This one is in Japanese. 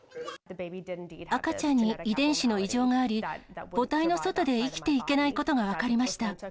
赤ちゃんに遺伝子の異常があり、母胎の外で生きていけないことが分かりました。